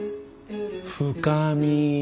深み。